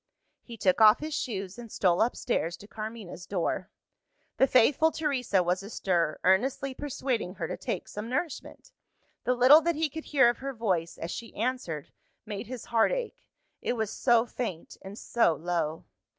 He took off his shoes, and stole upstairs to Carmina's door. The faithful Teresa was astir, earnestly persuading her to take some nourishment. The little that he could hear of her voice, as she answered, made his heart ache it was so faint and so low.